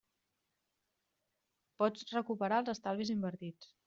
Pots recuperar els estalvis invertits?